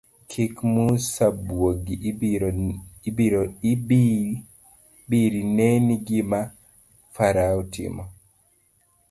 Kik Musa buogi ibiri neni gima farao timo.